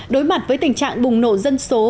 đối mặt với tình trạng bùng nổ dân số